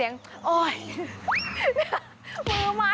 น้ำ